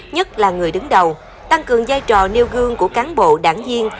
nhất là người đứng đầu tăng cường giai trò nêu gương của cán bộ đảng viên